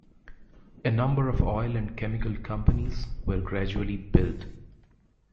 A number of oil and chemical companies were gradually built.